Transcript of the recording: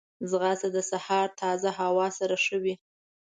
ځغاسته د سهار تازه هوا سره ښه وي